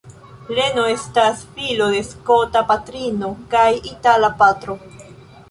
Leno estas filo de skota patrino kaj itala patro.